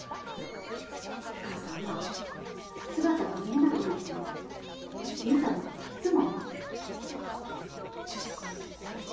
おかあさんは姿が見えなくなっても優太のこといつも思ってる。